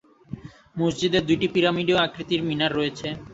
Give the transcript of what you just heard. মসজিদটির দুইটি পিরামিডীয় আকৃতির মিনার রয়েছে।